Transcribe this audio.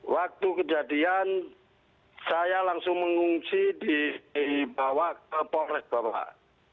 waktu kejadian saya langsung mengungsi di bawah ke polres bawah